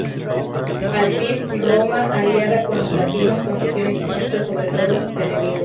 Al fin, Roma, aliada con los latinos, consiguió imponerse sobre todos sus enemigos.